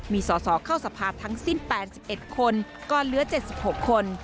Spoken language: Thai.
มีสอสอเข้าสภาทั้งสิ้น๘๑คนก็เหลือ๗๖คน